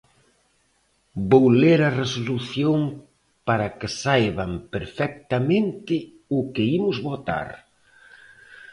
Vou ler a resolución para que saiban perfectamente o que imos votar.